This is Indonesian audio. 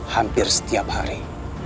hampir setiap hari